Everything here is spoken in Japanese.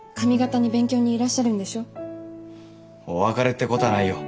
お別れってこたないよ。